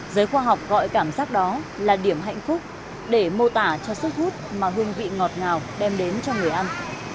giới khoa học gọi cảm giác đó là điểm hạnh phúc để mô tả cho sức hút mà hương vị ngọt ngào đem đến cho người ăn